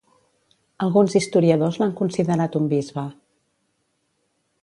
Alguns historiadors l'han considerat un bisbe.